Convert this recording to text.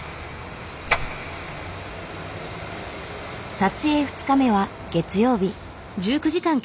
撮影２日目は月曜日。